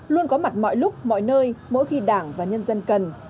luôn có mặt mọi lúc mọi nơi mỗi khi đảng và nhân dân cần